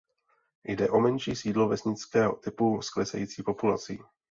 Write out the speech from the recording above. Jde o menší sídlo vesnického typu s klesající populací.